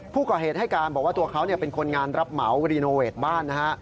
ผู้ก่อเหตุให้การบอกว่าตัวเขาเนี่ยเป็นคนงานรับเหมาบ้านนะฮะ